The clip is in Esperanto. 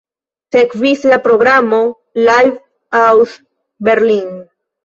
Sekvis la programo "Live aus Berlin".